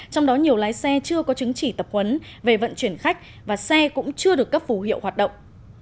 trong đó nhiều lái xe chưa có chứng chỉ tập huấn về vận chuyển khách và xe cũng chưa được cấp phù hiệu hoạt động